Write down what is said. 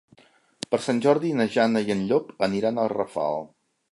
Per Sant Jordi na Jana i en Llop aniran a Rafal.